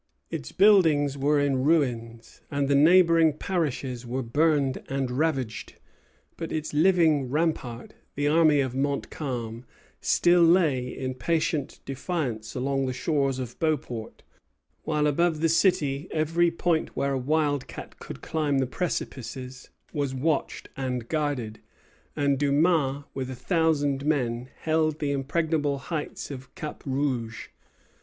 Its buildings were in ruins, and the neighboring parishes were burned and ravaged; but its living rampart, the army of Montcalm, still lay in patient defiance along the shores of Beauport, while above the city every point where a wildcat could climb the precipices was watched and guarded, and Dumas with a thousand men held the impregnable heights of Cap Rouge.